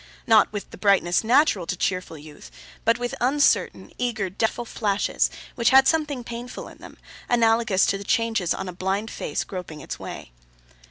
Not with the brightness natural to cheerful youth, but with uncertain, eager, doubtful flashes, which had something painful in them, analogous to the changes on a blind face groping its way.